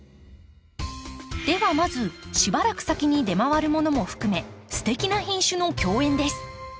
ではまずしばらく先に出回るものも含めすてきな品種の競演です。